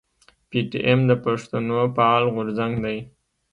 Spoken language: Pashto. پي ټي ايم د پښتنو فعال غورځنګ دی.